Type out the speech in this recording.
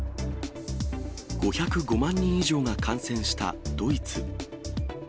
５０５万人以上が感染したドイツ。